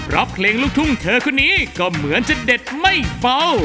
รับเพลงลูกทุ่มเธอมากนะคะของเธอก็เหมือนจะเด็ดไม่เฝ้า